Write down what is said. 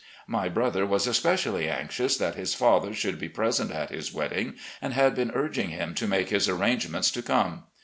My brother was especially anxious that his father should be present at his wedding, and had been urging him to make his arrangements to come.